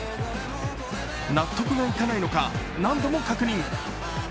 納得がいかないのか何度も確認。